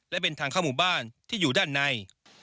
และเป็นทางเข้าหมู่บ้านที่อยู่ด้านใน